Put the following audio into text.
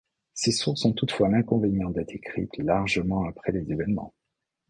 Ces sources ont toutefois l'inconvénient d'être écrites largement après les événements.